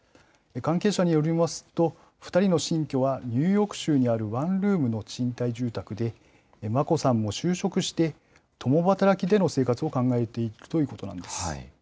関係者によりますと、２人の新居はニューヨーク州にあるワンルームの賃貸住宅で、眞子さんも就職して、共働きでの生活を考えていくということなんです。